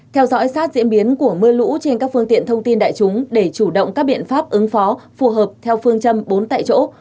theo dõi sát diễn biến của mưa lũ trên các phương tiện thông tin đại chúng để chủ động các biện pháp ứng phó phù hợp theo phương châm bốn tại chỗ